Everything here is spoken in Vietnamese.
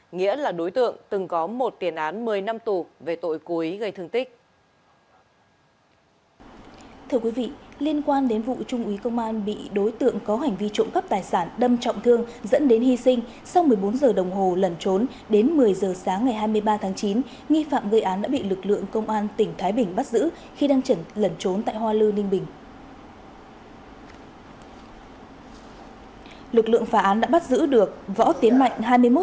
nghĩa là đối tượng từng có một tiền án một mươi năm tù về tội cú ý gây thương tích